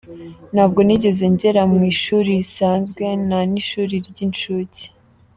Ntabwo nigeze ngera mu ishuri risanzwe… Nta n’ishuri ry’inshuke.